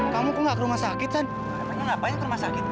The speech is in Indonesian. kamu kok nggak rumah sakit